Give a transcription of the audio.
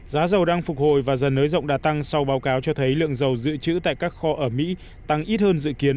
giá dầu đang phục hồi và dần nới rộng đã tăng sau báo cáo cho thấy lượng dầu dự trữ tại các kho ở mỹ tăng ít hơn dự kiến